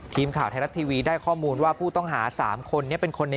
ทีมข่าวไทยรัฐทีวีได้ข้อมูลว่าผู้ต้องหา๓คนนี้เป็นคนใน